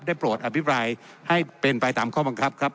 โปรดอภิปรายให้เป็นไปตามข้อบังคับครับ